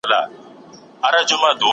سياسي پوهان د سياسي رفتار مطالعه کوي.